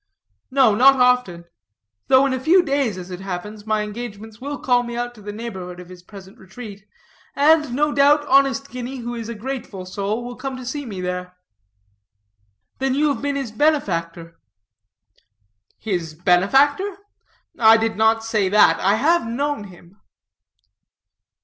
"No, not often; though in a few days, as it happens, my engagements will call me to the neighborhood of his present retreat; and, no doubt, honest Guinea, who is a grateful soul, will come to see me there." "Then you have been his benefactor?" "His benefactor? I did not say that. I have known him."